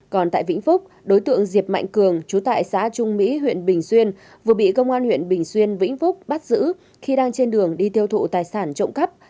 còn tại vĩnh phúc đối tượng diệp mạnh cường chú tại xã trung mỹ huyện bình xuyên vừa bị công an huyện bình xuyên vĩnh phúc bắt giữ khi đang trên đường đi tiêu thụ tài sản trộm cắp